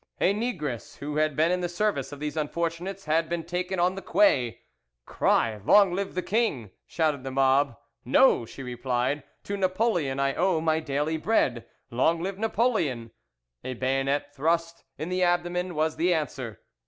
A negress who had been in the service of these unfortunates had been taken on the quay. 'Cry "Long live the king!' shouted the mob. 'No,' she replied. 'To Napoleon I owe my daily bread; long live Napoleon!' A bayonet thrust in the abdomen was the answer.